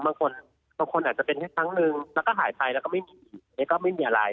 บางคนอาจจะเป็นแค่ครั้งหนึ่งแล้วก็หายไปแล้วก็ไม่มีอะไร